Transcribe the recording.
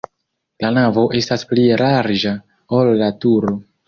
La navo estas pli larĝa, ol la turo.